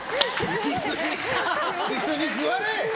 椅子に座れ！